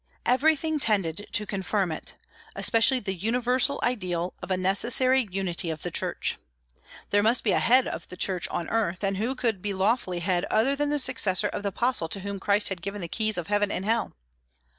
Everything tended to confirm it, especially the universal idea of a necessary unity of the Church. There must be a head of the Church on earth, and who could be lawfully that head other than the successor of the apostle to whom Christ had given the keys of heaven and hell?